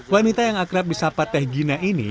wanita yang akrab di sapateh gina ini